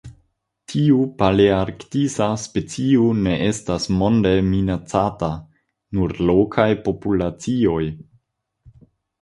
Tiu palearktisa specio ne estas monde minacata, nur lokaj populacioj.